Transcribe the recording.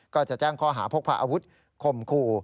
ก็จะแจ้งข้อหาพกพาอาวุธคมคู่